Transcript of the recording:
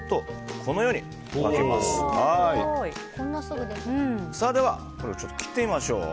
これを切ってみましょう。